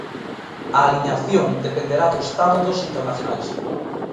A aliñación dependerá do estado dos internacionais.